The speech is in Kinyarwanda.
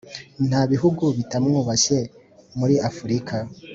nta bihugu bitamwubashye muri afurika.